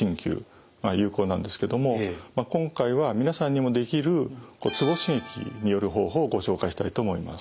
鍼灸が有効なんですけども今回は皆さんにもできるツボ刺激による方法をご紹介したいと思います。